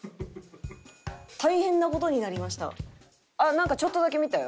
なんかちょっとだけ見たよ。